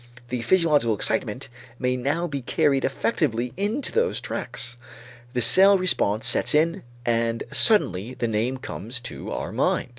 The physiological excitement may now be carried effectively into those tracts. The cell response sets in and suddenly the name comes to our mind.